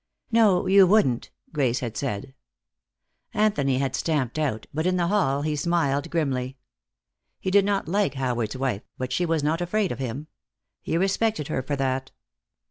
"No, you wouldn't," Grace had said. Anthony had stamped out, but in the hall he smiled grimly. He did not like Howard's wife, but she was not afraid of him. He respected her for that.